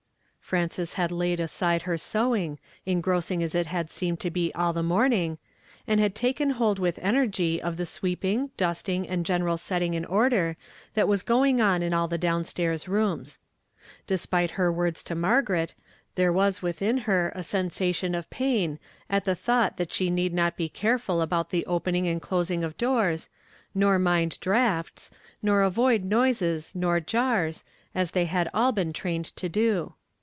Frances had laid aside her sewing, engrossing as it had seemed to be all the morning, and taken hold with energy of the sweeping, dusting, and general setting in order that Avas going on in all the down staii s rooms. Despite her words to Mar garet, there was within her a sensation of pain at the thought that she need not be careful about the opening and closing of doors, nor nund draughts, nor avoid noises nor jars, as they had all been trained to do.